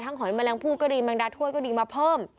ทั้งของแมลงพูดก็ดีแมลงดาดถ้วยก็ดีมาเพิ่ม